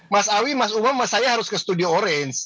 mas awi mas umam saya harus ke studio orange